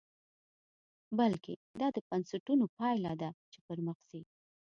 بلکې دا د بنسټونو پایله ده چې پرمخ ځي.